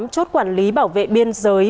chốt quản lý bảo vệ biên giới